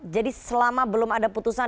jadi selama belum ada putusan